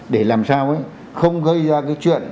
để làm sao ấy không gây ra cái chuyện